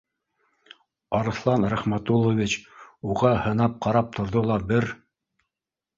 Арыҫлан Рәхмәтуллович уға һынап ҡарап торҙо ла бер